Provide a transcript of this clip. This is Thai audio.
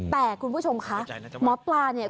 แต่คุณผู้ชมคะหมอปลาเนี่ย